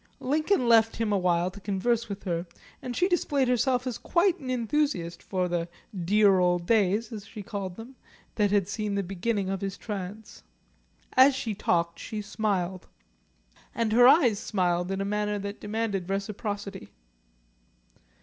Lincoln left him awhile to converse with her, and she displayed herself as quite an enthusiast for the "dear old days," as she called them, that had seen the beginning of his trance. As she talked she smiled, and her eyes smiled in a manner that demanded reciprocity.